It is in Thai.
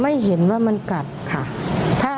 ไม่เห็นว่ามันกัดค่ะ